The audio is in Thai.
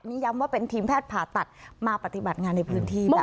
นี่ย้ำว่าเป็นทีมแพทย์ผ่าตัดมาปฏิบัติงานในพื้นที่แบบนี้